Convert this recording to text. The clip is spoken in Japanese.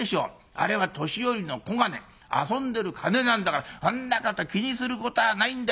あれは年寄りの小金遊んでる金なんだからそんなこと気にすることはないんだよ。